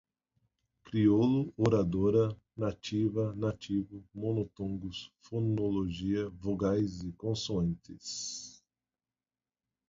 Crioulo, oradora, nativa, nativo, monotongos, fonologia, vogais, consoantes